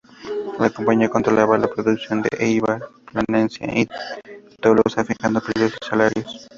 La Compañía controlaba la producción en Éibar, Placencia y Tolosa fijando precios y salarios.